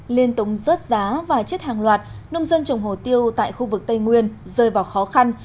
liên tống rớt giá và chết hàng loạt nông dân trồng hồ tiêu tại khu vực tây nguyên rơi vào khó khăn